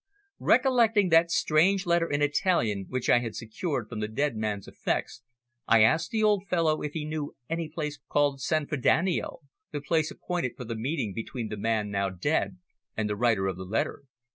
Recollecting that strange letter in Italian which I had secured from the dead man's effects, I asked the old fellow if he knew any place called San Frediano the place appointed for the meeting between the man now dead and the writer of the letter.